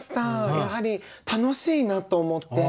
やはり楽しいなと思って。